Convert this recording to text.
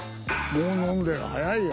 もう飲んでる早いよ。